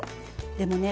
でもね